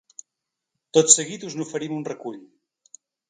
Tot seguit us n’oferim un recull.